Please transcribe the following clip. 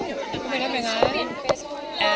โอ้ยทำไมทำแบบนี้ครับ